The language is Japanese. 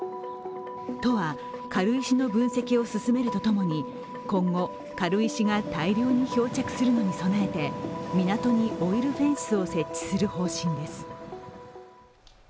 都は軽石の分析を進めるとともに今後、軽石が大量に漂着するのに備えて港にオイルフェンスを設置する方針です。